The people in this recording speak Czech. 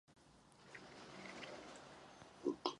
Vyrůstala v Kalkatě a vzdělání získala v místní klášterní škole.